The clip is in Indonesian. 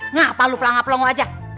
ngapalu pelang pelang wajah